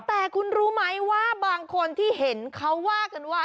แต่คุณรู้ไหมว่าบางคนที่เห็นเขาว่ากันว่า